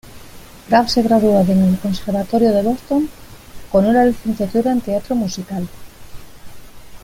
Graff se graduó en el Conservatorio de Boston con una licenciatura en Teatro Musical.